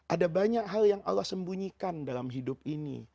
ada banyak hal yang allah sembunyikan dalam hidup ini